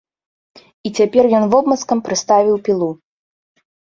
І цяпер ён вобмацкам прыставіў пілу.